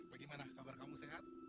bagaimana kabar kamu sehat